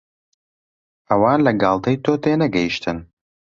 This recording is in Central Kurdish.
ئەوان لە گاڵتەی تۆ تێنەگەیشتن.